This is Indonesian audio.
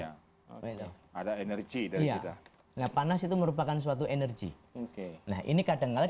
ada energi dari kita panas itu merupakan suatu energi ini kadang kadang